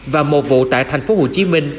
và một vụ tại thành phố hồ chí minh